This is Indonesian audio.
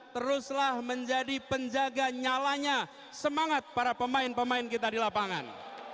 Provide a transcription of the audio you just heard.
teruslah menjadi penjaga nyalanya semangat para pemain pemain kita di lapangan